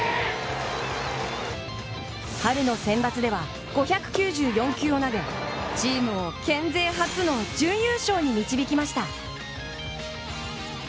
春のセンバツでは５９４球を投げ、チームを県勢初の準優勝に導きました。